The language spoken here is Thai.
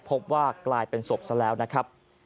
พบว่ากลายเป็นศพซะแล้วนะครับ